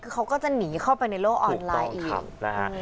เขาก็จะหนีเข้าไปในโลกออนไลน์อีกถูกต้องทำนะฮะ